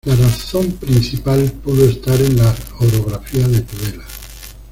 La razón principal pudo estar en la orografía de Tudela.